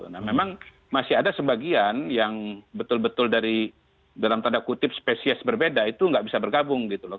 nah memang masih ada sebagian yang betul betul dari dalam tanda kutip spesies berbeda itu nggak bisa bergabung gitu loh